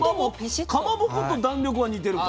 かまぼこと弾力は似てるかも。